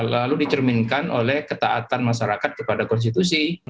lalu dicerminkan oleh ketaatan masyarakat kepada konstitusi